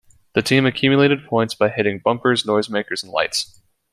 The team accumulated points by hitting bumpers, noisemakers, and lights.